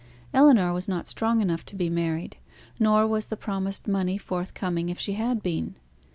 Ellinor was not strong enough to be married; nor was the promised money forthcoming if she had been.